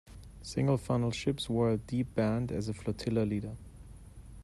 Single funnelled ships wore a deep band as a flotilla leader.